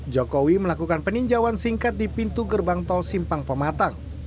jokowi melakukan peninjauan singkat di pintu gerbang tol simpang pematang